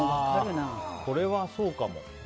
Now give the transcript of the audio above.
これはそうかも。